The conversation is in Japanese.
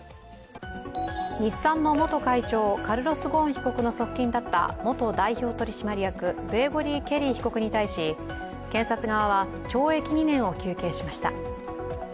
日産の元会長、カルロス・ゴーン被告の側近だった元代表取締役グレゴリー・ケリー被告に対し検察側は懲役２年を求刑しました。